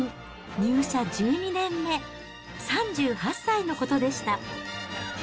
入社１２年目、３８歳のことでした。